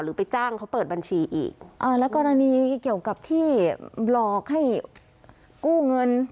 ไปจ้างเขาเปิดบัญชีอีกอ่าแล้วกรณีเกี่ยวกับที่หลอกให้กู้เงิน